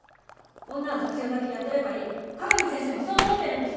女は雑用だけやってればいい香美先生もそう思ってるんですか？